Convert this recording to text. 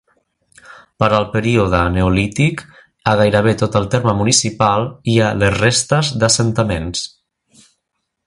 Per al període neolític a gairebé tot el terme municipal hi ha les restes d'assentaments.